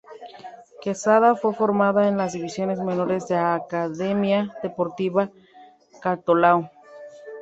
Quezada fue formado en las divisiones menores del Academia Deportiva Cantolao.